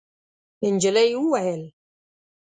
نجلۍ وویل: